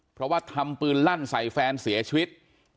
เพราะว่าทำปืนลั่นใส่แฟนเสียชีวิต